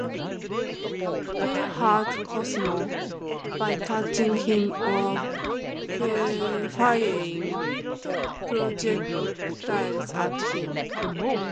They hurt Cosmo by touching him or firing projectiles at him.